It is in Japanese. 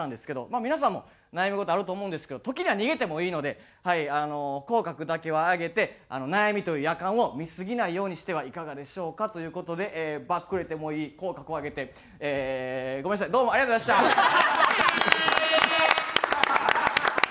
まあ皆さんも悩み事あると思うんですけど時には逃げてもいいので口角だけは上げて悩みというやかんを見すぎないようにしてはいかがでしょうかという事で「ばっくれてもいい口角を上げて」えーごめんなさいどうもありがとうございました！